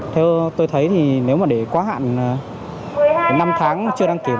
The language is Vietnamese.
theo tôi thấy thì nếu mà để quá hạn năm tháng chưa đăng kiểm